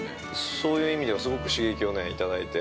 ◆そういう意味ではすごく刺激をいただいて。